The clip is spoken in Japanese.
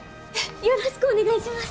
よろしくお願いします！